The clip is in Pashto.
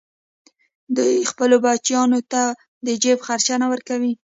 دوی خپلو بچیانو ته د جېب خرڅ نه ورکوي